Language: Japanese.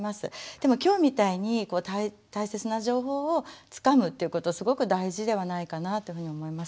でも今日みたいに大切な情報をつかむということすごく大事ではないかなというふうに思います。